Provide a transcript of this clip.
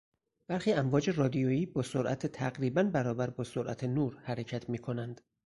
برخی امواج رادیویی با سرعت تقریبا برابر با سرعت نور حرکت میکنند.